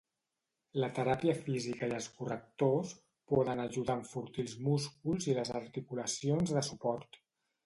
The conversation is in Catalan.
La teràpia física i els correctors poden ajudar a enfortir els músculs i les articulacions de suport.